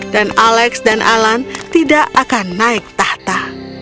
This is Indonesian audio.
dan alex dan alan tidak akan naik tahta